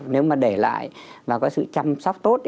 nếu mà để lại mà có sự chăm sóc tốt